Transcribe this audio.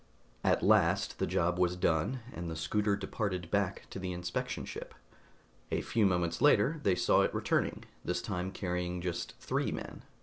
At last the job was done, and the scooter departed back to the inspection ship. A few moments later they saw it returning, this time carrying just three men.